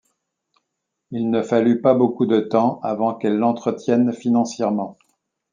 Il ne fallut pas beaucoup de temps avant qu’elle l’entretienne financièrement.